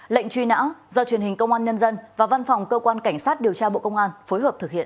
lệnh truy nã do truyền hình công an nhân dân và văn phòng cơ quan cảnh sát điều tra bộ công an phối hợp thực hiện